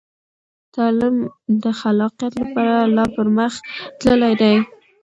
تعلیم د خلاقیت لپاره لا پرمخ تللی دی.